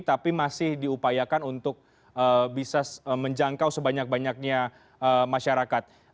tapi masih diupayakan untuk bisa menjangkau sebanyak banyaknya masyarakat